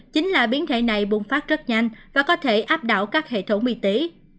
chính là biến thể này bùng phát rất nhanh và có thể áp đảo các hệ thống y tế